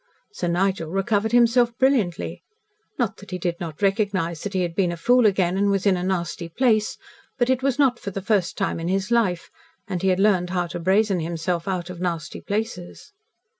Sir Nigel recovered himself brilliantly. Not that he did not recognise that he had been a fool again and was in a nasty place; but it was not for the first time in his life, and he had learned how to brazen himself out of nasty places.